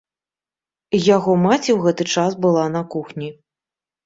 Яго маці ў гэты час была на кухні.